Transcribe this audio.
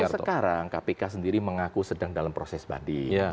sekarang kpk sendiri mengaku sedang dalam proses banding